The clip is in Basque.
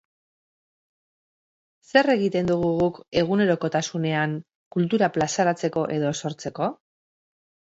Zer egiten dugu guk egunerokotasunean kultura plazaratzeko edo sortzeko?